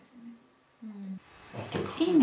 いいね